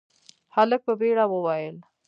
هلک په بيړه وويل: